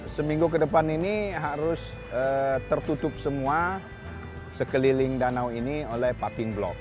seminggu ke depan ini harus tertutup semua sekeliling danau ini oleh parking block